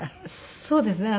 そうですね。